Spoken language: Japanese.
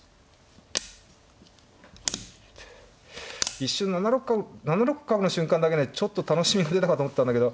一瞬７六角の瞬間だけねちょっと楽しみが出たかと思ったんだけど。